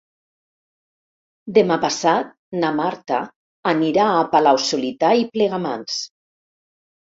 Demà passat na Marta anirà a Palau-solità i Plegamans.